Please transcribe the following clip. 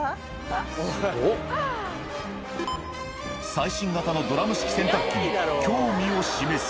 最新型のドラム式洗濯機に興味を示す。